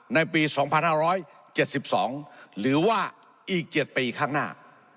ในปี๒๕๗๒หรือว่าอีก๗ปีข้างหน้า